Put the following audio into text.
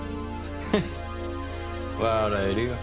フッ笑えるよ。